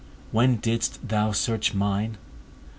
When didst thou search mine?